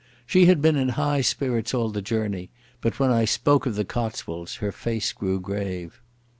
She had been in high spirits all the journey, but when I spoke of the Cotswolds her face grew grave.